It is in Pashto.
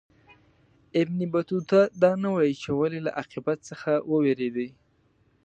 ابن بطوطه دا نه وايي چې ولي له عاقبت څخه ووېرېدی.